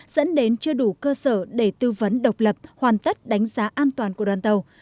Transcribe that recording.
dẫn đến chưa đủ cơ sở để tư vấn độc lập hoàn tất đánh giá an toàn của đoàn tàu